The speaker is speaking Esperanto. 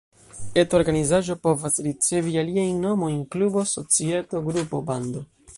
Eta organizaĵo povas ricevi aliajn nomojn: klubo, societo, grupo, bando.